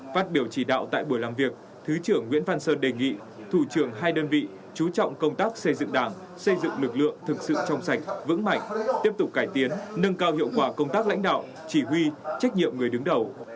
phát biểu chỉ đạo tại buổi làm việc thứ trưởng nguyễn văn sơn đề nghị thủ trưởng hai đơn vị chú trọng công tác xây dựng đảng xây dựng lực lượng thực sự trong sạch vững mạnh chỉ huy trách nhiệm người đứng đầu